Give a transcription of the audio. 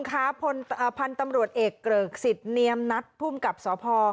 ขอบคุมค่ะพันธ์ตำรวจเอกเกริกศิษย์เนียมนัดพุ่มกับสภพ